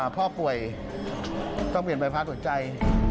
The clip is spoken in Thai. พ่อป่วยต้องเปลี่ยนบริษัทส่วนใจ